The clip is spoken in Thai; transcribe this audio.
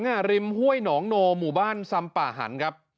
ริมห้วยหนองโนหมู่บ้านซำป่าหันครับ